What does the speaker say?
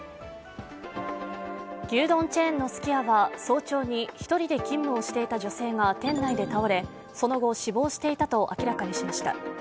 牛丼チェーンのすき家は早朝に１人で勤務をしていた女性が店内で倒れその後、死亡していたと明らかにしました。